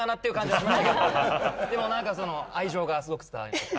でも何かその愛情がすごく伝わりました。